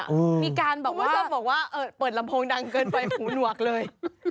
มีการบอกว่าส้มบอกว่าเปิดลำโพงดังเกินไปหูหนวกเลย